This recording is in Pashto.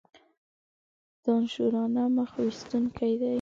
دانشورانه مخ ویستونکی دی.